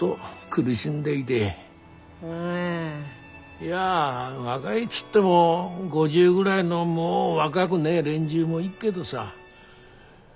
いや若いっつっても５０ぐらいのもう若ぐねえ連中もいっけどさ。